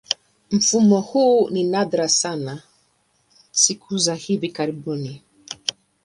Mfumo huu ni nadra sana siku za hivi karibuni.